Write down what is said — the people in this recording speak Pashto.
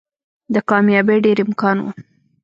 د کاميابۍ ډېر امکان وو